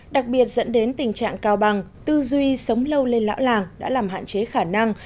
đặc biệt dẫn đến tình trạng cao bằng tư duy sống lâu lên lão làng đã làm hạn chế khả năng